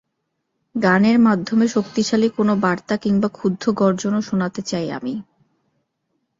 গানের মাধ্যমে শক্তিশালী কোনো বার্তা কিংবা ক্ষুব্ধ গর্জনও শোনাতে চাই আমি।